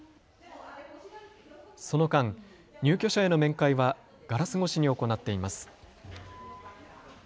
その間、入居者への面会はガラス越しに行っています。